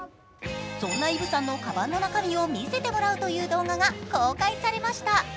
そんなイヴさんのカバンの中身を見せてもらうという動画が公開されました。